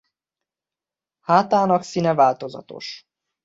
Hátának színe változatos.